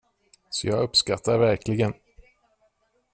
Så jag uppskattar verkligen.